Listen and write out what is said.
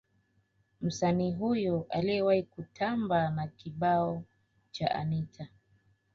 Msanii huyo aliyewahi kutamba na kibao cha Anita